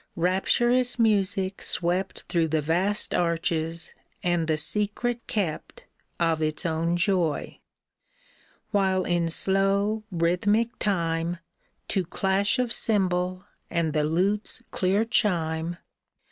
Rapturous music swept Through the vast arches and the secret kept Of its own joy ; while in slow, rhythmic time To clash of cymbal and the lute's clear chime.